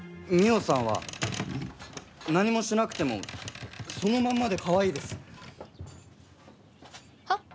澪さんは何もしなくてもそのまんまでかわいいです。は？